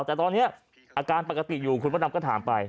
แต่ตอนนี้อาการปกติอยู่คุณพ่อดำก็ถามไป